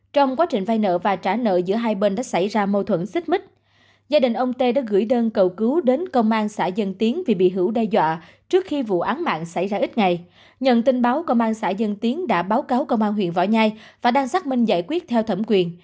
trước khi vụ án mạng xảy ra ít ngày nhận tin báo công an xã dân tiến đã báo cáo công an huyện võ nhai và đang xác minh giải quyết theo thẩm quyền